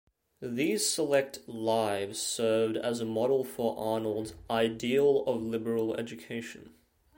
These select "Lives" served as a model for Arnold's "ideal of liberal education".